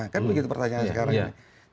kan begitu pertanyaannya sekarang ini